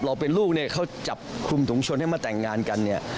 เราเป็นลูกเขาจับคุมถุงชนให้มาแต่งงานกัน